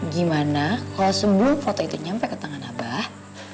gimana kalau sebelum foto itu nyampe ke tangan abah